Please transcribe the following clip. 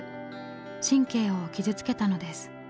神経を傷つけたのです。